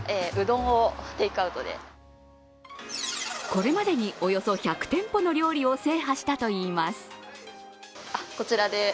これまでにおよそ１００店舗の料理を制覇したといいます。